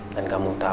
terima kasih pak